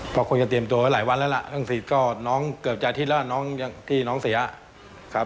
ก็คงจะเตรียมตัวไว้หลายวันแล้วล่ะทั้งสิทธิ์ก็น้องเกือบจะอาทิตย์แล้วน้องที่น้องเสียครับ